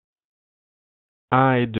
un et deux.